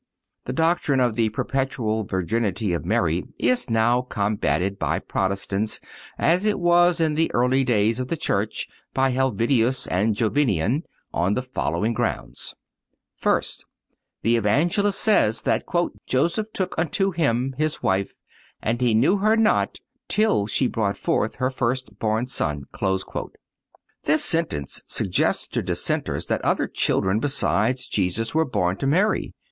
The doctrine of the perpetual virginity of Mary is now combated by Protestants, as it was in the early days of the Church by Helvidius and Jovinian, on the following grounds: First—The Evangelist says that "Joseph took unto him his wife, and he knew her not till she brought forth her first born son."(223) This sentence suggests to dissenters that other children besides Jesus were born to Mary.